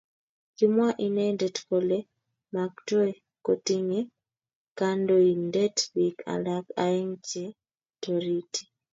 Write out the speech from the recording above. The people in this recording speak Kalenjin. Kimwa inendet kole maktoi kotinye kandoindet bik alak aeng che toriti